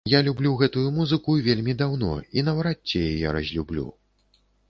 Я люблю гэтую музыку вельмі даўно, і наўрад ці яе разлюблю.